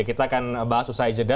kita akan bahas usai jeda